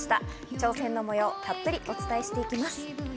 挑戦の模様をたっぷりお伝えします。